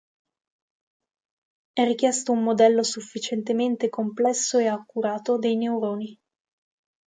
È richiesto un modello sufficientemente complesso e accurato dei neuroni.